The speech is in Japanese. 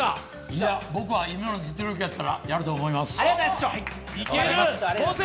いや、僕は今の実力やったらやると思います。